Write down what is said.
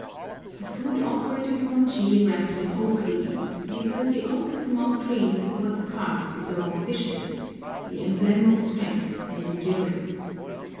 The food offered is mochi wrapped in oak leaves, because the oak is among trees what the carp is among fishes, the emblem of strength and endurance.